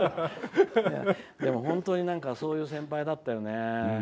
本当にそういう先輩だったよね。